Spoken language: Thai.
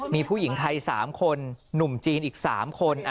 มีผู้หญิงไทย๓คนหนุ่มจีนอีก๓คน